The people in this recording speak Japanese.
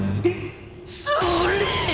それ！